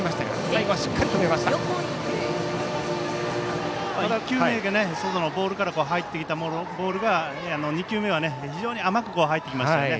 外から入ってきたボールが２球目は非常に甘く入ってきましたね。